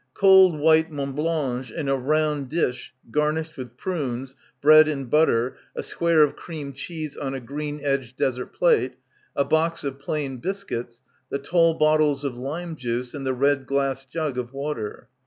Cold white blancmange in a round dish garnished with prunes, bread and butter, a square of cream cheese on a green edged dessert plate, a box of plain biscuits, the tall bottle of lime juice and the red glass jug of water.